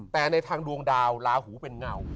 แต่ในทางดวงดาวลาหูเป็นเงา